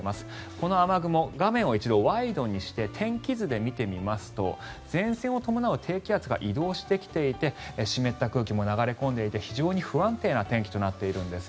この雨雲画面を一度ワイドにして天気図で見てみますと前線を伴う低気圧が移動してきていて湿った空気も流れ込んでいて非常に不安定な天気となっているんです。